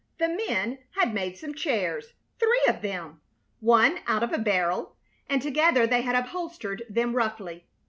The men had made some chairs three of them, one out of a barrel; and together they had upholstered them roughly.